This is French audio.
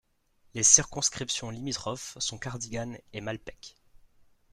Les circonscriptions limitrophes sont Cardigan et Malpeque.